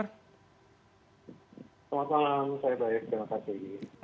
selamat malam saya baik terima kasih